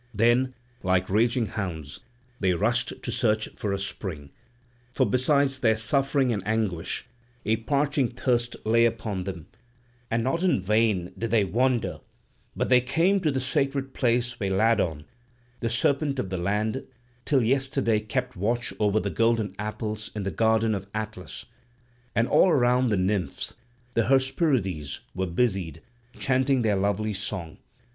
Then, like raging hounds, they rushed to search for a spring; for besides their suffering and anguish, a parching thirst lay upon them, and not in vain did they wander; but they came to the sacred plain where Ladon, the serpent of the land, till yesterday kept watch over the golden apples in the garden of Atlas; and all around the nymphs, the Hesperides, were busied, chanting their lovely song.